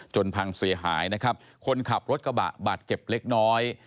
พังเสียหายนะครับคนขับรถกระบะบาดเจ็บเล็กน้อย